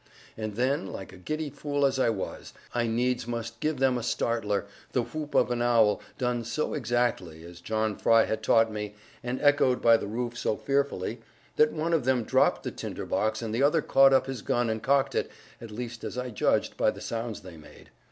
And then, like a giddy fool as I was, I needs must give them a startler the whoop of an owl, done so exactly, as John Fry had taught me, and echoed by the roof so fearfully, that one of them dropped the tinder box, and the other caught up his gun and cocked it at least as I judged by the sounds they made.